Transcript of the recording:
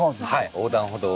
横断歩道を。